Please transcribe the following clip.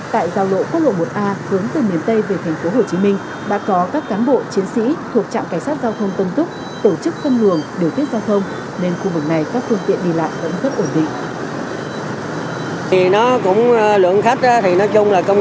tại giao lộ nguyễn văn linh và tuyến đường cao tốc thành phố hồ chí minh trung lương